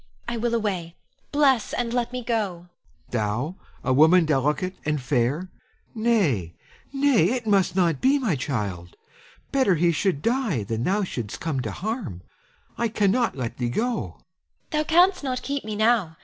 I will away; bless, and let me go. Helon. Thou, a woman delicate and fair! Nay, nay, it must not be, my child! Better he should die than thou shouldst come to harm. I cannot let thee go. Ione. Thou canst not keep me now.